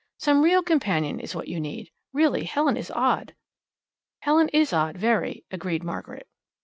Some real companion is what you need. Really, Helen is odd." "Helen is odd, very," agreed Margaret.